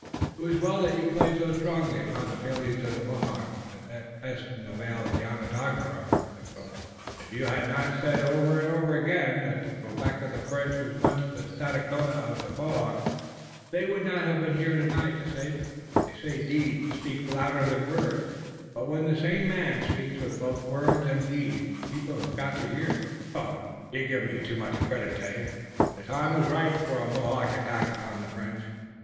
"It was well that you played so strongly upon the feelings of the Mohawks at that test in the vale of Onondaga, Robert," said Willet. "If you had not said over and over again that the Quebec of the French was once the Stadacona of the Mohawks they would not have been here tonight to save us. They say that deeds speak louder than words, but when the same man speaks with both words and deeds people have got to hear." "You give me too much credit, Dave. The time was ripe for a Mohawk attack upon the French."